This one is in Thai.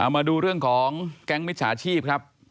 มาดูเรื่องของแก๊งมิจฉาชีพครับ